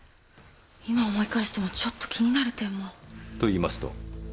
今思い返してもちょっと気になる点も。といいますと？